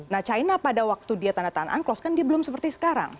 nah cina pada waktu dia tanda tanda unclosed kan dia belum seperti sekarang